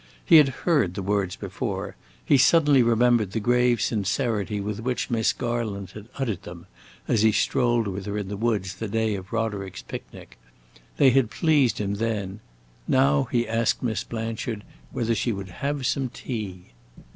He had heard the words before; he suddenly remembered the grave sincerity with which Miss Garland had uttered them as he strolled with her in the woods the day of Roderick's picnic. They had pleased him then; now he asked Miss Blanchard whether she would have some tea.